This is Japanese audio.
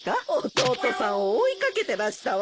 弟さんを追い掛けてらしたわ。